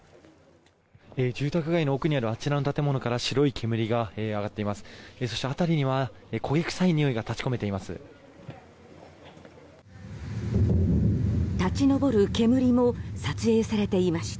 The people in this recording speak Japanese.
住宅街の奥にあるあちらの建物から白い煙が上がっています。